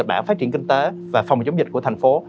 kịch bản phát triển kinh tế và phòng chống dịch của thành phố